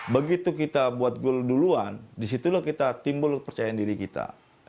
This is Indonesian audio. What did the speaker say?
begitu kita buat gol duluan disitulah kita timbul percaya diri kita